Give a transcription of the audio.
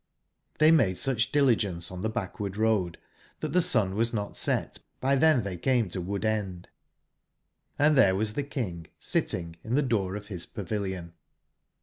^^^r>SY made sucb diligence on tbe backward M^^l road tbat tbe sun was not set by tben tbey 1^^^ came to CQood/end ; and tbere was tbe King sitting in tbe door of bis pavilion.